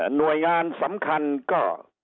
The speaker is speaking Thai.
หน่วยงานสำคัญก็